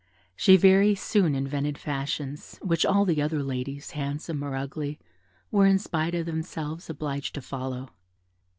She very soon invented fashions, which all the other ladies, handsome or ugly, were, in spite of themselves, obliged to follow.